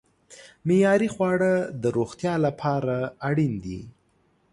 معیاري خواړه د روغتیا لپاره اړین دي.